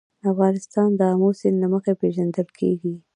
افغانستان د آمو سیند له مخې پېژندل کېږي.